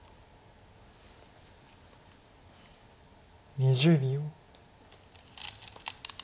２０秒。